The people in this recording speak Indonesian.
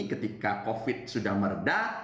ketika covid sudah meredah